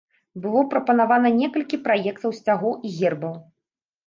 Было прапанавана некалькі праектаў сцягоў і гербаў.